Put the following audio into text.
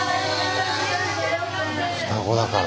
双子だから。